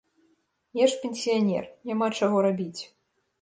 Я ж пенсіянер, няма чаго рабіць.